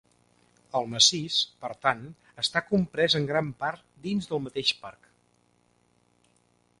El massís, per tant, està comprès en gran part dins del mateix parc.